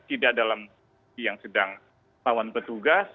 tidak dalam yang sedang lawan petugas